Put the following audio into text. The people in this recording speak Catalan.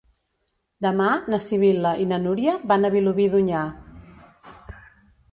Demà na Sibil·la i na Núria van a Vilobí d'Onyar.